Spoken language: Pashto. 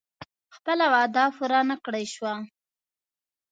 خپله وعده پوره نه کړای شوه.